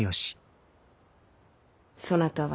そなたは？